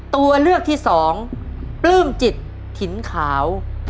ตัวเลือกที่สองปลื้มจิตถิ่นขาว